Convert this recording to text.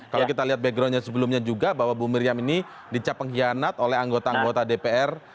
kalau kita lihat backgroundnya sebelumnya juga bahwa bu miriam ini dicap pengkhianat oleh anggota anggota dpr